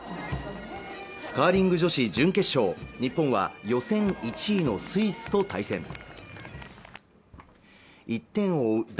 カーリング女子準決勝日本は予選１位のスイスと対戦１点を追う